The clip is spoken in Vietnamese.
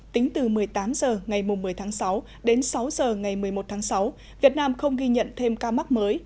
tính từ một mươi tám h ngày một mươi tháng sáu đến sáu h ngày một mươi một tháng sáu việt nam không ghi nhận thêm ca mắc mới